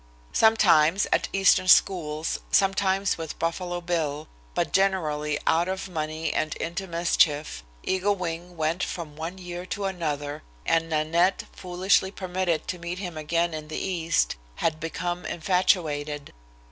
Sometimes at eastern schools, sometimes with Buffalo Bill, but generally out of money and into mischief, Eagle Wing went from one year to another, and Nanette, foolishly permitted to meet him again in the East, had become infatuated.